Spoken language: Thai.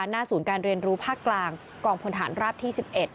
หน้าศูนย์การเรียนรู้ภาคกลางกองพลฐานราบที่๑๑